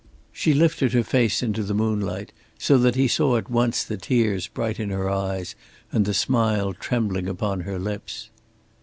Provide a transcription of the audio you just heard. She lifted her face into the moonlight, so that he saw at once the tears bright in her eyes and the smile trembling upon her lips.